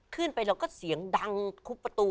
ขึ้นไปเราก็เสียงดังคุบประตู